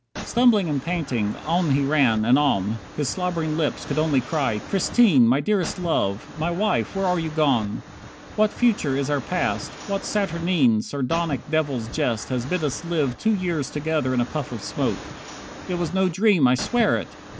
60 Stumbling and panting, on he ran, and on. His slobbering lips could only cry, "Christine! My Dearest Love! My Wife! Where are you gone? What future is our past? What saturnine, Sardonic devil's jest has bid us live Two years together in a puff of smoke? It was no dream, I swear it!